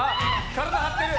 体張ってる。